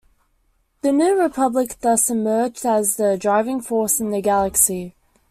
The New Republic thus emerged as the driving force in the galaxy.